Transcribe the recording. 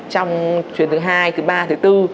trong chuyến thứ hai thứ ba thứ bốn